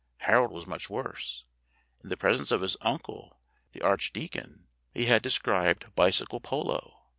Harold was much worse. In the presence of his uncle, the archdeacon, he had described bicycle polo.